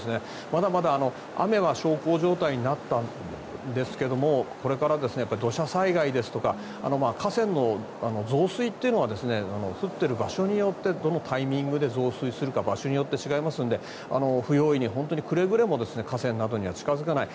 まだまだ雨は小康状態になったんですがこれから土砂災害ですとか河川の増水というのは降ってる場所によってどのタイミングで増水するか場所によって違いますので不用意に、くれぐれも河川などには近付かない。